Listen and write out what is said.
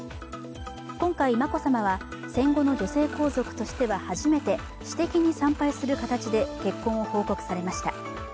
今回、眞子さまは戦後の女性皇族としては初めて私的に参拝する形で結婚を報告されました。